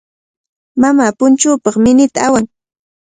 Mamaa punchuupaq minita awan.